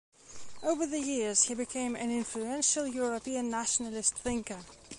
Over the years he became an influential European nationalist thinker.